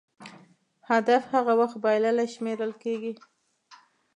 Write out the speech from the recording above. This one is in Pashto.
هدف هغه وخت بایللی شمېرل کېږي.